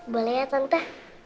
boleh ya tante